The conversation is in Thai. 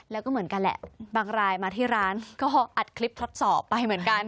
แล้วก็เหมือนกันแหละบางรายมาที่ร้านก็อัดคลิปทดสอบไปเหมือนกัน